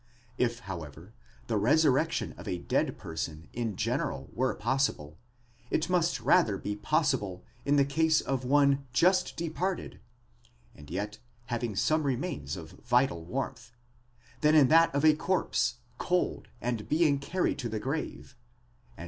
If, however, the resur rection of a dead person in general were possible, it must rather be possible in the case of one just departed, and yet having some remains of vital warmth, than in that of a corpse, cold and being carried to the grave ; and again, in 82 Disc.